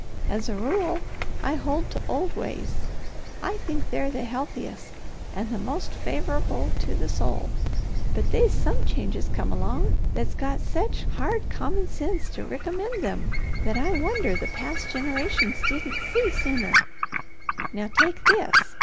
As a rule I hold to old ways. I think they're the healthiest and the most faver'ble to the soul. But they's some changes come along, that's got sech hard common sense to riccomend them, that I wonder the past generations didn't see sooner. Now take this!